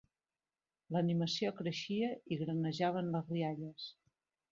L'animació creixia, i granejaven les rialles.